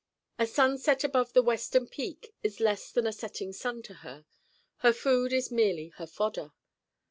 A sunset above the western peaks is less than a setting sun to her. Her food is merely her fodder.